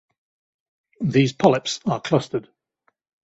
These polyps are clustered.